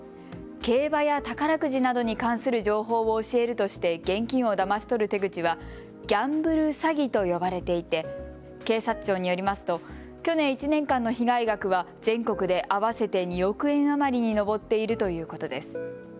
競馬や宝くじなどに関する情報を教えるとして現金をだまし取る手口はギャンブル詐欺と呼ばれていて警察庁によりますと去年１年間の被害額は全国で合わせて２億円余りに上っているということです。